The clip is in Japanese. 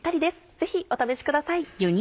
ぜひお試しください。